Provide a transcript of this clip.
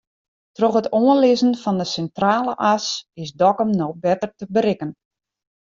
Troch it oanlizzen fan de Sintrale As is Dokkum no better te berikken.